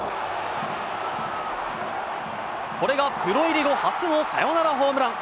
これがプロ入り後初のサヨナラホームラン。